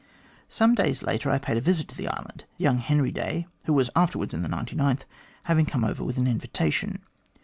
" Some days later I paid a visit to the island ; young Henry Day, who was afterwards in the 99th, having come over with an invitation.